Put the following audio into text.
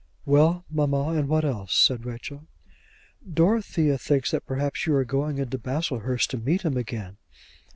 "Well, mamma; and what else?" said Rachel. "Dorothea thinks that perhaps you are going into Baslehurst to meet him again."